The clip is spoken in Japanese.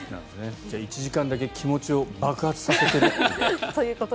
じゃあ１時間だけ気持ちを爆発させてるっていう。